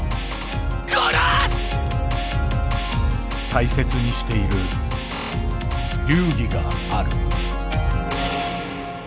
大切にしている流儀がある。